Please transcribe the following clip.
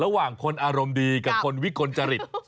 ระหว่างคนอารมณ์ดีกับคนวิกลจริต